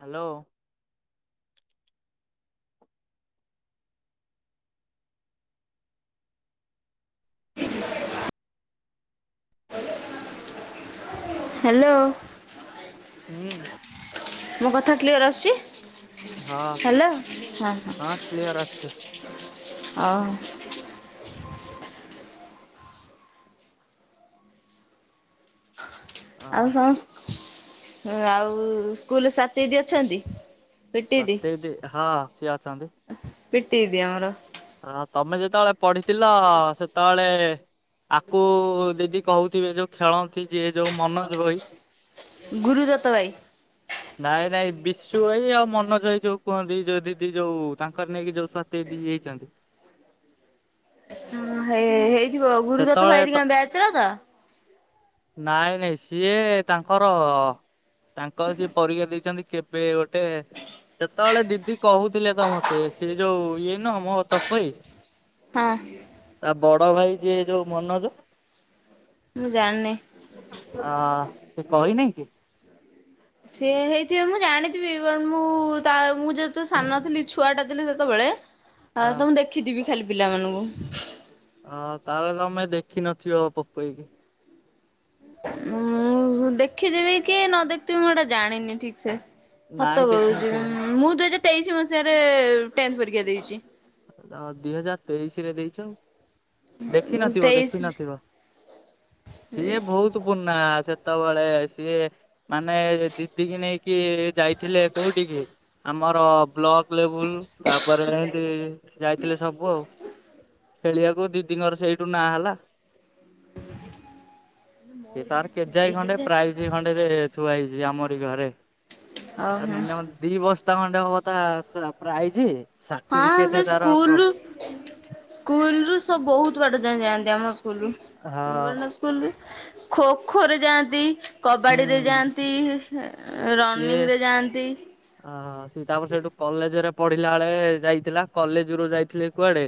Hello! [inaudible] Hello! ହୁଁ। ମୋ କଥା କ୍ଳିଅର ଆସୁଚି? ହଁ ହାଲୋ! ହଁ ହଁ କ୍ଲିୟର ଆସୁଛି। ଅହ ଅ ଆଉଁସ ଆଉଁସ, ଆଉ ସ୍କୁଲରେ ସ୍ଵାତୀ ଦିଦି ଅଛନ୍ତି? ସ୍ୱାତୀ ଦିଦି ହଁ ସିଏ ଅଛନ୍ତି। ପିଟି ଦିଦି ଆମର ହଁ, ତମେ ଯେତେବଳେ ପଢିଥିଲ, ସେତଳେ ଆକୁ ଦିଦି କହୁଥିବେ, ଯୋଉ ଖେଳନ୍ତି ଯିଏ ଯୋଉ ମନୋଜ ଭୋଇ। ଗୁରୁଦତ୍ତ ଭାଇ। ନାଇଁ ନାଇଁ ବିଶୁ ଏଇ ଅମ୍ ମନୋଜ ଭାଇ ଯୋଉ କୁହନ୍ତି। ଯୋଉ ଦିଦି ଯୋଉ ତାଙ୍କର ନେଇକି ଯୋଉ ସ୍ଵାତୀ ଦିଦି ଇଏ ହେଇଛନ୍ତି! ଉଁ ହେ-ହେଇଥିବ ଗୁରୁଦତ୍ତ ସେତେବେଳେ ତ ଭାଇହେରିକାଙ୍କ ବ୍ୟାଚର ତ? ନାଇଁ ନାଇଁ ସିଏ ତାଙ୍କର -ଅ ତାଙ୍କ ସିଏ ପରୀକ୍ଷା ଦେଇଚନ୍ତି, କେବେ ଗୋଟେ? ସେତବେଳେ ଦିଦି କହୁଥିଲେ ତ ମତେ, ସେ ଯୋଉ ଇଏ ନୁହଁ। ମୋହ ତପ୍ ଭାଇ ହଁ ତା ବଡ ଭାଇ ହେ ଯୋଉ ମନୋଜ ମୁଁ ଜାଣିନି ଆ ସେ କହିନେଇ କି? ସିଏ ହେଇଥିବେ ମୁଁ ଜାଣିଥିବି ବଟ ମୁଁ ତା ମୁଁ ଯେହେତୁ ସାନ ଥିଲି ଛୁଆ ଟା ଥିଲି ସେତବେଳେ ଆଉ ଅ ତ ମୁଁ ଦେଖିଥିବି ଖାଲି ପିଲାମାନଙ୍କୁ। ହଁ ତାହେଲେ ତମେ ଦେଖିନଥିବ ପପୁ ଭାଇକି। ମୁଁ ଦେଖିଥିବି କି ନ ଦେଖଥିବି ମୁଁ ଏଇଟା ଜାଣିନି ଠିକସେ। ନାଇଁ ସତ କହୁଚି, ଦେଖିନଥିବ ଉମ୍ ମୁଁ ଦୁଇ ହଜାର ତେଇଶି ମସିହାରେ ଟେନଥ ପରୀକ୍ଷା ଦେଇଛି। ତ ଦି ହଜାର ତେଇଶିରେ ଦେଇଚ? ମୁଁ ଦେଖିନଥିବ ତେଇଶି ଦେଖିନଥିବ ରେ ସିଏ ବହୁତ ପୁରୁଣା। ସେ ସେତବେଳେ ସିଏ ମାନେ ଦିଦି କି ନେଇକି ଯାଇଥିଲେ କୋଉଠିିକି ଆମର ବ୍ଲକ ଲେବୁଲ ତାପରେ ଏନ୍ତି ଯାଇଥିଲେ ସବୁ ଆଉ। ଖେଳିଆକୁ ଦିଦିଙ୍କର ସେଇଠୁ ନାଁ ହେଲା। ସେ ତାର କେଜାଇ ଖଣ୍ଡେ ପ୍ରାଇଜ ଖଣ୍ଡେରେ ଥୁଆ ହେଇ ଚି ଆମରି ଘରେ। ଓହୋ ମିନିମମ୍ ଦି ବସ୍ ସ୍ତା ଖଣ୍ଡେ ହବ ତା ପ୍ରାଇଜି, ସାଟିଫି ନାଇଁ ସେ ସ୍କୁୂଲରୁ ସ୍କୁଲରୁ ସବୁ ବହୁତ ବାଟ ଯାଏଁ ଯାଆନ୍ତି ଆମ ସ୍କୁଲୁରୁ, ହଁ ଗୋରଡ ସ୍କୁଲରୁ ଖୋ ଖୋ ରେ ଯାଆନ୍ତି କବାଡ଼ିରେ ହୁଁ ଯାଆନ୍ତି, ରନିଂ ରେ ଯାଆନ୍ତି ଓ ସିଏ ତାପରେ ସେଇଠୁ କଲେଜ ରେ ପଢିଲା ବେଳେ ଯାଇଥିଲା। କଲେଜରୁ ଯାଇଥିଲେ କୁଆଡେ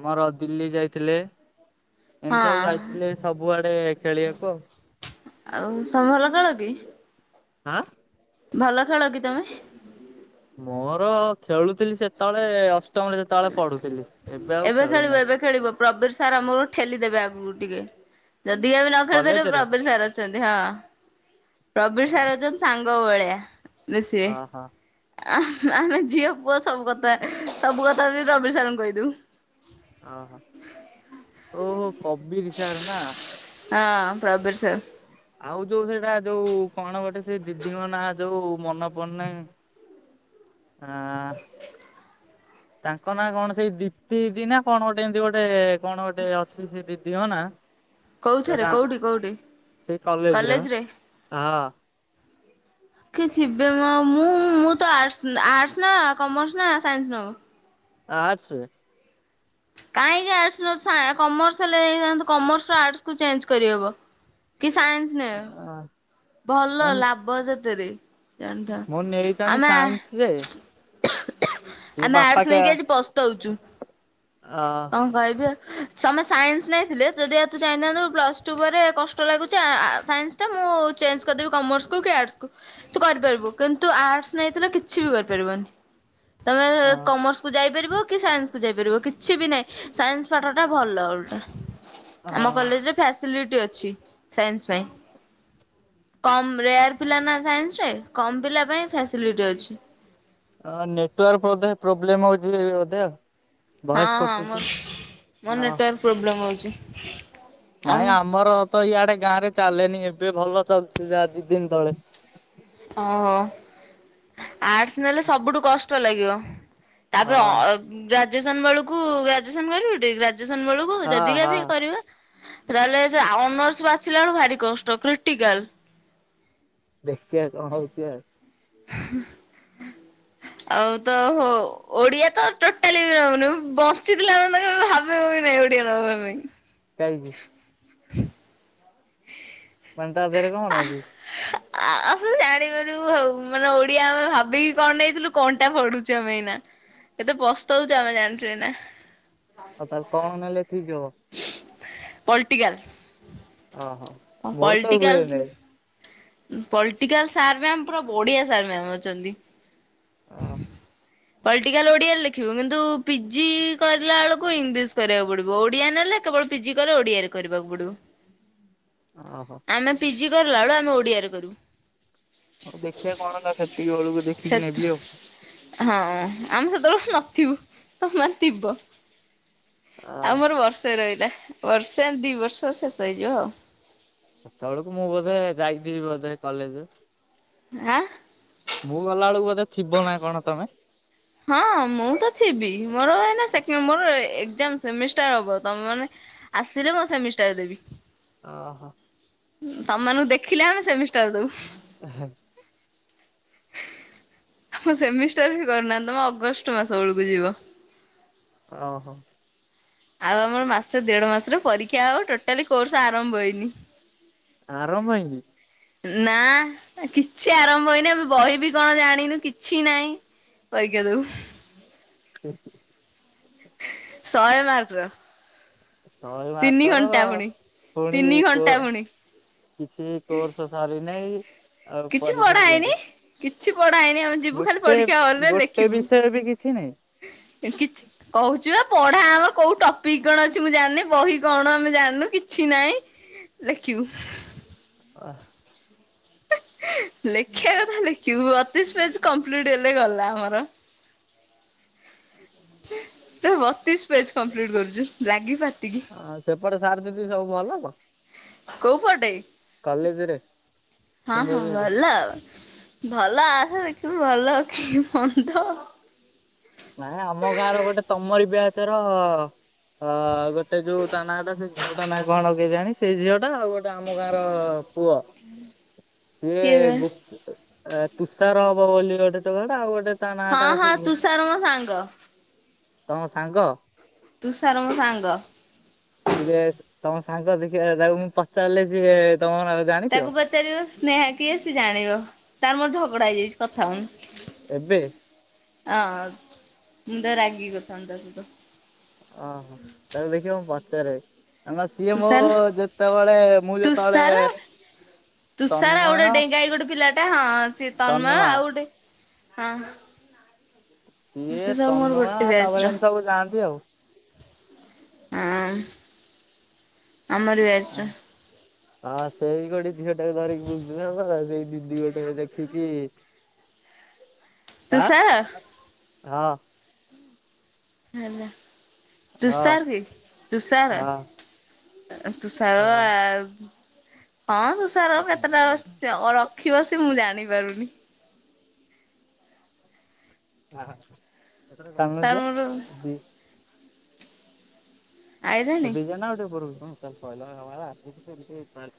ଆମର ଦିଲ୍ଲୀ ଯାଇଥିଲେ ଏମତି ସବୁ ହଁ ଯାଇଥିଲେ ସବୁଆଡେ ଖେଳିବାକୁ ଆଉ। ଆଉ ତମ ଖେଳ କି? ଆଁ? ଭଲ ଖେଳ କି ତମେ? ମୋର ଖେଳୁଥିଲି ସେତବେଳେ ଅସ୍ ଷ୍ଟମରେ ଯେତେବେଳେ ପଢ଼ୁଥିଲି। ଏବେ ଆଉ ଖେଳିବ ଖେଳୁନାହିଁ। ଏବେ ଖେଳିବ ପ୍ରବୀର ସାର୍ ଆମକୁ ଠେଲି ଦେବେ ଆଗକୁ ଟିକେ। ଯଦି ବି ଏବେ ନ ଖେଳିପାରିବ କଲେଜରେ ପ୍ରବୀର ସାର୍ ଅଛନ୍ତି। ହଁ। ପ୍ରବୀର ସାର୍ ଅଛନ୍ତି ସାଙ୍ଗ ଭଳିଆ ଅ ହଁ। ଆ ଆମେ ଝିଅ ପୁଅ ସବୁ କଥା, ସବୁ କଥା ରବି ସାରଙ୍କୁ କହିଦଉ। ଅହୋ ଓହୋ ପବିର୍ ସାର ନା। ହଁ ପ୍ରବୀର୍ ସାର୍। ଆଉ ଯୋଉ ସେଇଟା ଯୋଉ କଣ ଗୋଟେ ସେ ଦିଦିଙ୍କ ନା ଯୋଉ ମନେ ପଡ଼ୁନାଇଁ ଆ ତାଙ୍କ ନାଁ କଣ ସେଇ ଦିପି ଦିଦି ନା କଣ ଗୋଟେ ଏମତି ଗୋଟେ କଣ ଗୋଟେ ଅଛି ସେ ଦିଦିଙ୍କ ନାଁ କୋଉଥିରେ ଝିଅଟା କୋଉଠି କୋଉଠି ସେଇ କଲେଜରେ ବା ହଁ। କିଏ ଥିବେ? ମୁଁ-ମୁଁ ତ ଆର୍ଟ୍ସ ଆର୍ଟ୍ସ ନା କମର୍ସ ନା ସାଇନ୍ସ ନୁହଁ। ଆର୍ଟ୍ସ। କାହିଁକି ଆର୍ଟ୍ସ୍ ନଉଚୁ, ସା କମର୍ସ ହେଲେ ନେଇଥାନ୍ତୁ କମର୍ସରେ ଆର୍ଟ୍ସ କୁ ଚେଞ୍ଜ କରିହବ। କି ସାଇନ୍ସ ନେ, ଭଲ ମୁଁ ଲାଭ ସେଥିରେ। ଜାଣିଥାଅ। ମୁଁ ନେଇଥାନ୍ତି ଆମେ ସାଇନ୍ସ ଯେ ସିଏ ଆମେ ବାପା ଆର୍ଟସ କା ନେଇକି ଆଜି ପସ୍ତଉଚୁ। ଅ କଣ କହିବି ଆଉ? ତମେ ସାଇନ୍ସ ନେଇଥିଲେ ଯଦି ବା ତୁ ଚାହିଁଥାନ୍ତୁ, ପ୍ଲସ୍ ଟୁ ପରେ କଷ୍ଟ ଲାଗୁଚି ଆ-ଆ ସାଇନ୍ସ ଟା ମୁଁ ମୁଁ ଚେଞ୍ଜ କରିଦେବି କମର୍ସକୁୁ କି ଆର୍ଟସକୁୁ ତୁ କରିପାରିବୁ କିନ୍ତୁ ଆର୍ଟସ ନେଇଥିଲେ କିଛି ବି କରିପାରିବନି। ହ ତମେ କମର୍ସକୁୁ ଯାଇପାରିବ, କି ସାଇନ୍ସକୁୁ ଯାଇପାରିବ କି କିଛି ବି ନାଇଁ ସାଇନ୍ସ ପାଠଟା ଭଲ ଓଲଟା। ଅ ଆମ କଲେଜରେ ଫ୍ୟାସ୍ ଫ୍ୟାସିଲିଟି ଅଛି ସାଇନ୍ସ ପାଇଁ। କମ୍ ରେୟାର୍ ପିଲା ନା ସାଇନ୍ସ ରେ କମ୍ ପିଲା ପାଇଁ ଫ୍ୟସିଲିଟ୍ ଅଛି। ଅଁ ନେଟୱାର୍କ ବଧେ ପ୍ରୋବ୍ଲେମ ହଉଛିି ବଧେ ଆଉ ହଁ ଭଏସ ହଁ କଟୁଛି ମୋର ମୋର ଅ ନେଟୱାର୍କ ପ୍ରୋବ୍ଲେମ୍ ହୋଉଛି। ନାଇଁ ଆମର ତ ଇଆଡେ ଗାଁ ରେ ଚାଲେନି ଏବେ ଭଲ ଚାଲଛି ଯାହା ଦି ଦିନ୍ ତଳେ। ଓ ହୋ ଆର୍ଟସ ନେଲେ ସବୁଠୁ କଷ୍ଟ ଲାଗିବ। ତାପରେ ଅ ଗ୍ରାଜୁଏସନ ବେଳକୁ ଗ୍ରାଜୁଏସନ କରିବ ଟି? ଗାଜୁସନ ବେଳକୁ ହଁ ଯଦିକା ହଁ ବି କରିବା। ତାହେଲେ ସେ ଅନର୍ସ ବାଛିଲା ବେଳ କୁ ଭାରି କଷ୍ଟ କ୍ରିଟିକାଲ। ଦେଖିଆ କଣ ହଉଛି ଆଉ। [unintelligible] ଆଉ ତ ହ ଓଡିଆ ତ ଟୋଟାଲି ବି ରହୁନି ବଞ୍ଚିଥିଲା ଆ ତା ଭାବୁ ଏଉଠ ଓଡ଼ିଆ ନେବା ପାଇଁ। କାହିଁକି? ଖି ମାନେ ଟା ଦେହରେ କଣ ଅଛି? ଆମେ ଆସୁ ଜାଣିବାରୁ ହଉ ମାନେ ଓଡିଆ ଆମେ ଭାବିକି କଣ ନେଇଥିଲୁ କଣଟା ପଢୁଛୁ ଆମେ ଏଇନା। ଏତେ ପସ୍ତହଉଛୁ ଆମେ ଜାଣିଛୁ ଏନା। ଆଉ ତାହେଲେ କଣ ନେଲେ ଠିକ ହବ। ପଲିଟିକାଲ୍। ଓହୋ ମୋର ତ ହୁଏନାଇ ପ୍ଳଟିକାଲ ସାର ମାମା ପୁର ବଢୀଆ ସାର ମା ଅଛନ୍ତି। ହଁ। ପଲିଟିକାଲ ଓଡିଆରେ ଲେଖିବ କିନ୍ତୁ ପିଜି କରିଲା ବେଳକୁ ଇଂଲିଶ କରିବାକୁ ପଡିବ ଓଡିଆ ନେଲେ କେବଳ ପିଜି କଲେ ଓଡିଆରେ କରିବାକୁ ପଡିବ। ଓହୋ ଆମେ ପିଜି କଲାବେଳୁ ଆମେ ଓଡିଆରେ କରୁ। ଆଉ ଦେଖିବା କଣ ତ ସେତିକି ବେଳକୁ ଦେଖିକି ନେବି ଆଉ। ଆ ଆମେ ସେତେବେଳେକୁ ନଥିବୁ ତମେ ଥିବ। ଅ ଆଉ ମୋର ବର୍ଷେ ରହିଲା ବର୍ଷେ ଦିଇ ବର୍ଷ ଶେଷ ହେଇଯିବ ଆଉ। ସେତେବେଳକୁ ମୁଁ ବୋଧେ ଯାଇଥି ବୋଧେ କଲେଜ ହାଁ। ମୁଁ ଗଲା ବେଳକୁ ବୋଧେ ଥିବ ନାଆଁ କଣ ତମେ? ହଁ ମୁଁ ତ ଥିବି ମୋର ଏବେ ସେକେଣ୍ଡ ମୋର ଯାମ ସେମିଷ୍ଟାର ହବ ତମ ମାନେ ଆସିଲେ ମୁଁ ସେମିଷ୍ଟାର ଦେବି। ଓ ହୋ। ତମଙ୍କୁ ଦେଖିଲେ ଆମେ ସେମିଷ୍ଟର ଦବୁ। ହେ ଆମ ସେମିଷ୍ଟାର ବି କରୁନାହାନ୍ତି ତମେ ଅଗଷ୍ଟ ମାସ ବେଳକୁ ଯିବ। ଓ ହୋ। ଆଉ ଆମର ମାସ ଦେଢ ମାସରେ ପରୀକ୍ଷା ହବ ଆଉ ଟୋଟାଲି କୋର୍ସ ଆରମ୍ଭ ହେଇନି। ଆରମ୍ଭ ହେଇନି? ନା କିଛି ଆରମ୍ଭ ହୋଇଇନି ଏମେ ବହି ବି କଣ ଜାଣିନୁ କିଛି ନହିଁ। ପରୀକ୍ଷା ଦବୁ। ହୁ ହୁ। ଶହେ ମାକ୍ରର। ଶହେ ମାକ୍ର ପୁଣି ତିନି କୋ ଘଣ୍ଟା ପୁଣି କିଛି କୋର୍ସ ସରିନାହିଁ। ଆଉ କିଛି ପରୀକ୍ଷା ପଢ଼ା ଦିଅନ୍ତି। ହେଇନି କିଛି ପଢାହେଇନି ଆମେ ଯିବୁ ଖାଲି ଗୋଟେ ପରୀକ୍ଷା ହଲରେ ଗୋଟେ ଲେଖିବୁ। ବିଷୟ ବି କିଛି ନାହିଁ। କିଛି କହୁଛିବା। ପଢା ଆମର କୋଉ ଟପିକି କଣ ଅଛି ମୁଁ ଜାଣିନି ବହି କଣ ଆମେ ଜାଣିନୁ କିଛି ନାହିଁ। ଲେଖିବୁ। ହଁ। ଲେଖିବା କଥା ଲେଖିବୁ ବତିଶି ପେଜେ୍ କଂପ୍ଲିଟ୍ ହେଲେ ଗଲା ଆମର। [inaudible] ବତିଶ ପେଜ କମ୍ପ୍ଲିଟ କରୁଚୁ ଲାଗିପାତି। ହଁ ସେପଟେ ସାର ଦିଦି ସବୁ ଭଲତ? କୋଉ ପଟେ? ହଁ ହଁ କୁଞ୍ଜବିହାରୀ? ଭଲ ଆଉ ଭଲ ଆସେ ଭଲ କି ମନ୍ଦ? ନାଇଁ ଆମ ଗାଁର ଗୋଟେ ତମରି ବିଆଚର ଅ ଗୋଟେ ଗୋଟେ ଯୋଉ ତା ନାଁଟା ସେ ଝିଅଟା ନାଁ କଣ କେଜାଣି ସେଇ ଝିଅ ଟା ଆଉ ଗୋଟେ ଆମ ଗାଁର ପୁଅ ସିଏ କିଏ ବେ ଗୁତେ ଅ ତୁଷାର ହବ ବୋଲି ଗୋଟେ ତଡାଟା ଆଉ ଗୋଟେ ତା ହଁ ନାଁଟା ହଁ ସେ ଝିଅ ତୁସାର ମଁ ସାଙ୍ଗ। ତମ ସାଙ୍ଗ? ତୁସାର ମୋ ସାଙ୍ଗ। ସିଏ ତମ ସାଙ୍ଗ ଦେଖିବା ତାକୁ ମୁଁ ପଚାରିଲେ ସିଏ ତମ ନାଁ ଜାଣିଥିବ? ତାକୁ ପଚାରିବ ସ୍ନେହା କି ଆସି ଜାଣିବ ତାର ମୋର ଝଗଡା ହେଇଯାଇଛି କଥା ହଉନି। ଏବେ? ହଁ ମୁଁ ତା ରାଗିକି କଥା ହଉନି ତା ସହିତ। ଓୋ ହୋ ତାକୁ ଦେଖିବା ମୁଁ ପଚାରେ? ହେ ସିଏ ହୋ ତୁଷାର ଯେତେବେଳେ ମୁଁ ଯେତେବେଳେ ତୁଷାର ତୁଷାର ଆଉ ତନ୍ମୟ ଗୋଟେ ଡେଙ୍ଗାଇ ଗୋଟେ ପିଲାଟା ହଁ ସେ ତନ୍ମୟ ତନ୍ମା ଆଉ ଗୋଟେ ହଁ। ସିଏ ସେ ସବୁ ମୋର ତନୁଆ ଗୋଟେ ତା ବ୍ୟାଚ୍ ର ବଲାନୀ ସବୁ ଯାଆନ୍ତି ଆଉ। ହଁ ଆମରି ବେଚ୍ ର ହଁ ସେଇ ଗୋଟେ ଝିଅଟାକୁ ଧରିକି ବୁଲୁଥିଲି ସେଇ ଦିଦି ଗୋଟେ ଦେଖିକି [inaudible] ଆଁ ତୁସାର? ହଁ। ହେଲା ହଁ ତୁସାର କି ତୁଷାର? ହଁ ତୁ ସାର ହଁ। ଆଉ ହଁ ତୁଷାର କେତେଟା ର ରଖିବ ସ ମୁଁ ଜାଣ ଆଣିପାରୁନି? ଅ ହ ଏଥର ଚାଲୁନ ତାର ମୋର ଯିବା? ଏ ଆଇଲାଣି ବି ଟେ ନା ଆଉ ଟିକେ ପରେ, ହଁ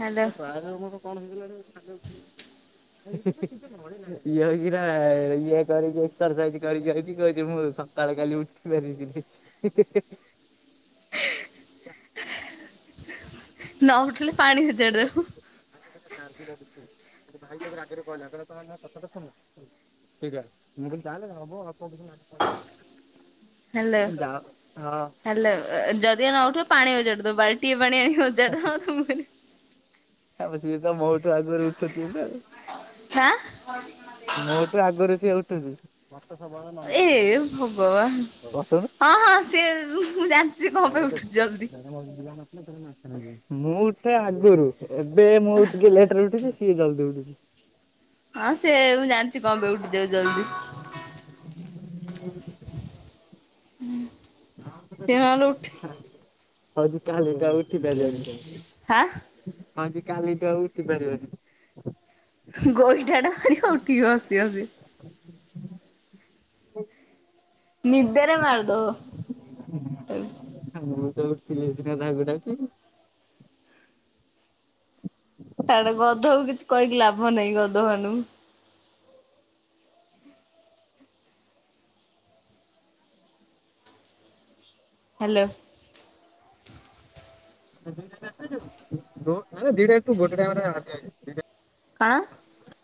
ହ୍ୟାଲୋ ଚାଲ୍ ସଇଲା [unintelligible] କଣ ହେଇଥିଲା ରେ ଚାଲି [unintelligible] ଇଏ ଏଇ କିରା ଇଏ କରିକି ଏକସ୍ସାଇଜ କରି କରିକି କହୁଚି ମୁଁ ସକାଳେ କାଲି ଉଠି ପାରିବିକି ନାଇଁ? [inaudible] [inaudible] ନ ଉଠିଲେ ପାଣି ସଜାଡି ଦବ। ଶାନ୍ତି ଲାଗୁଛି। ଭାଇ ତାଙ୍କରେ ରାଗରେ କହିଲା କହିଲ କହିଲ କଥା ଶୁଣ ସେଇଟା ମୁଁ କି ତାହଲେ ହବ ହବ ଆଉ। ତାପରେ [unintelligible] ହେଲୋ ହେଲୋ ଯଦିଓ ନ ଉଠିବ ପାଣିଅଜାଡି ଦେବୁ ବାଲଟିଏ ପାଣି ଆଣ ଣି ଅଜାଡ଼ି ଦବ ତା ମୁହଁରେ ଆବେ ସେ ତ ମୋଠୁ ଆଗରେ ଉଠୁଚି ନା? ହାଁ ମୋଠୁ ଆଗରୁ ସେ ଉଠୁଚି। ଏ ହବ ହଁ ହଁ ସିଏ ମୁଁ ଜାଣି ମୁଁ ଉଠେ ଆଗରୁ। ଏବେ ମୁଁ ଟିକେ ଲେଟରେ ଉଠୁଛି ସିଏ ଜଲ୍ଦି ଉଠୁଛି। ହଁ ସେ ମୁଁ ଜାଣିଛି କଣ କଉଠି ଉଠି ଯାଉଛୁ ଜଲଦି। [unintelligible] ଉଁ। ହା କହୁଚି ତାହେଲେ ଏକା ଉଠି ପାରିବନି କେମ ହା। ହଁ ଯେ କାଲି ତ ଉଠି ପାରିବନି। ଗୋଇଠା ଟା ମାରିବ ଉଠିବ ହସି ହସି। ନିଦରେ ମାରିଦେବ ତାକୁ। ନିଜେ ଉଠିଥିଲେ ସିନା ତାକୁ ଡାକିବି। ଛାଡ଼ ଗଧକୁ କିଛି କହିକି ଲାଭ ନାହିଁ ଗଧ ମାନଙ୍କୁ। ହାଲୋ। ଦୋ ନାଇ ରେ ଦିଟା ତୁ ଗୋଟେ ଟାଇମ୍ ରେ ହାଲିଆ ହେଇଯିବୁ ଦି କଣ?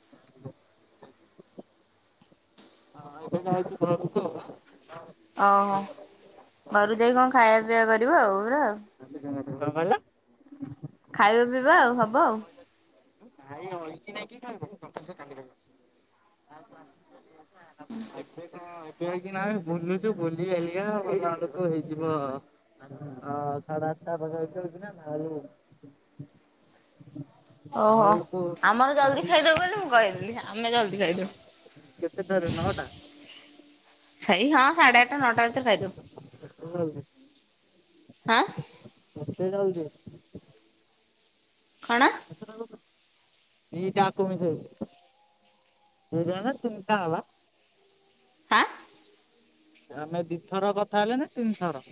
ହ ହଁ ଏବେ ଯାଉଛୁ ଘର କୁ ଆଁ। ଓହୋ ଘରୁ ଯାଇ କଣ ଖାଇବା ପିଇବା କରିବ ଆଉ ପୁରା। କଣ କହିଲ? ଖାଇବା ପିଇବା ଆଉ ହବ ଆଉ। ନାଇଁ ଅଇକିନା କିଏ ଖାଇବ ଆଉ କହ। ଏବେ କଣ ଏ କେଇ କି ନା ରେ ବୁଲୁଚୁ ବୁଲି ବାଲିକା [inaudible] ଘର କୁ ହେଇଯିବ। ଅ ସାଢ଼େ ଆଠଟା ପାଖା ପାଖି ଅଇକିନା ବାହାରିଲୁ। ଓହୋ ଖାଉକୁ ଆମର ଜଲଦି ଖାଇ ଖାଇଦଉ ବୋଲି ମୁଁ କହିଲି ଆମେ ଜଲଦି ଖାଇଦଉ। କେତେଟାରେ ନଅଟା। ସେଇ ହଁ ସାଢେ ଆଠଟା ନଅଟା ଭିତରେ ଖାଇଦଉ। ହାଁ। ଏତେ ଜଲଦି। କଣ? ଦି ଟା ଆକୁ ମିଶେଇବୁ। ଦି ଟା ନା ତିନି ଟା ହେଲା। ହା। ଆମେ ଦିଥର କଥା ହେଲେ ନା ତିନି ଥର।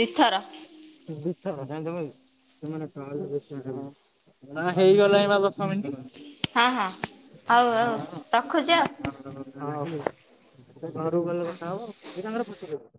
ଦି ଥର। ଆ ହେଇଗଲାଣି ବା ଦ ହଁ ହଁ ହଉ ହଉ ରଖୁଚି ଆଉ। ହଁ ହଉ ସେ ଘରକୁ ଭଲ କଥା ହବ।